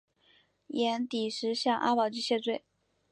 寅底石向阿保机谢罪。